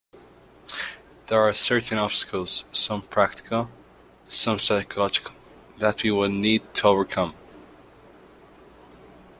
There are certain obstacles, some practical, some psychological, that we would need to overcome.